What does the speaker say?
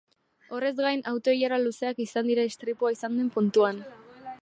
Horrez gain, auto-ilara luzeak izan dira istripua izan den puntuan.